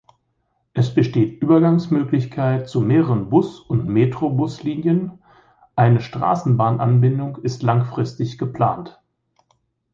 Es besteht Übergangsmöglichkeit zu mehreren Bus- und Metrobus-Linien; eine Straßenbahn-Anbindung ist langfristig geplant.